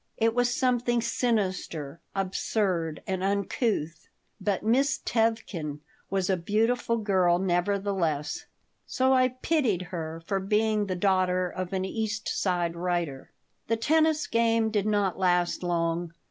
It was something sinister, absurd, and uncouth But Miss Tevkin was a beautiful girl, nevertheless. So I pitied her for being the daughter of an East Side writer The tennis game did not last long.